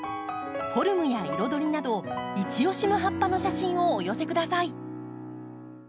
フォルムや彩りなどいち押しの葉っぱの写真をお寄せください。